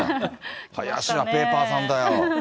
林家ペー・パーさんだよ。